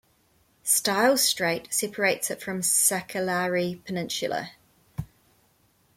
Styles Strait separates it from Sakellari Peninsula.